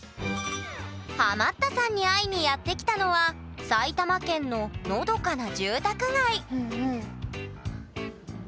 ハマったさんに会いにやって来たのは埼玉県ののどかな住宅街